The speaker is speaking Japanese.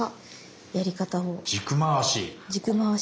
軸回し。